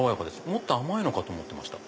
もっと甘いのかと思ってました。